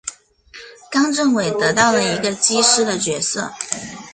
冈政伟得到了一个机师的角色。